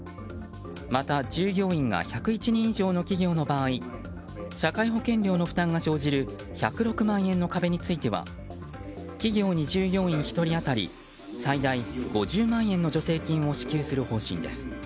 また、従業員が１０１人以上の企業の場合社会保険料の負担が生じる１０６万円の壁については企業に従業員１人当たり最大５０万円の助成金を支給する方針です。